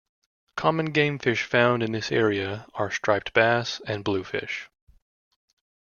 Common game fish found in this area are striped bass and bluefish.